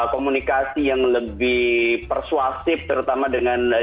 komunikasi yang lebih persuasif terutama dengan